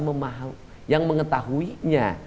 memahami yang mengetahuinya